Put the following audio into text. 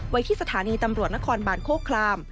ที่สถานีตำรวจนครบานโคคลาม